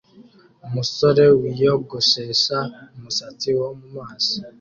umusore wiyogoshesha umusatsi wo mumaso